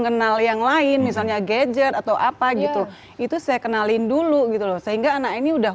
kenal yang lain misalnya gadget atau apa gitu itu saya kenalin dulu gitu loh sehingga anak ini udah